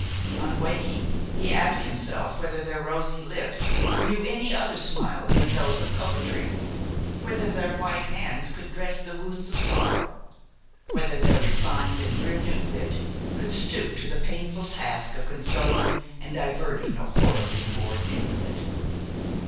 On waking, he asked himself whether their rosy lips knew any other smiles than those of coquetry; whether their white hands could dress the wounds of sorrow; whether their refined and brilliant wit could stoop to the painful task of consoling and diverting a horribly bored invalid.